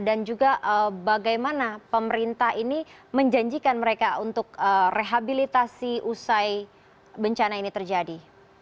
dan juga bagaimana pemerintah ini menjanjikan mereka untuk rehabilitasi usai bencana ini terjadi